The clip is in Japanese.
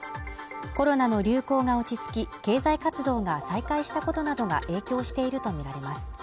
コロナの流行が落ち着き、経済活動が再開したことなどが影響しているとみられます。